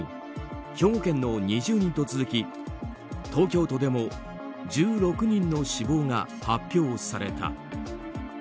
兵庫県の２０人と続き東京都でも１６人の死亡が発表された。